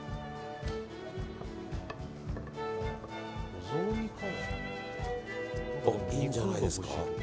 おっ、いいんじゃないですか？